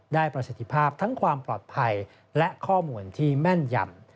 ประสิทธิภาพทั้งความปลอดภัยและข้อมูลที่แม่นยำ